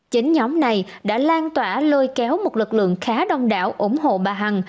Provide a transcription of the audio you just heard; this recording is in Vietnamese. chính nhóm này đã lan tỏa lôi kéo một lực lượng khá đông đảo ủng hộ bà hằng